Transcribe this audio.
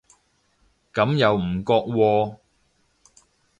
咁又唔覺喎